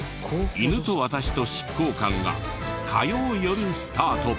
犬と私と執行官』が火曜よるスタート。